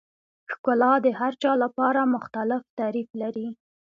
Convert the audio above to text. ښکلا د هر چا لپاره مختلف تعریف لري.